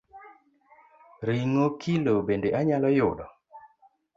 Ring’o kilo bende anyalo yudo?